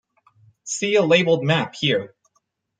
See a labeled map here.